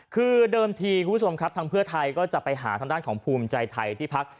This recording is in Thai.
คือเดิมทีคุณผู้ชมครับทางเพื่อไทยก็จะไปหาทางด้านของภูมิใจไทยที่พัก